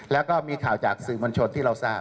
แล้วก็มีข่าวจากสื่อมวลชนที่เราทราบ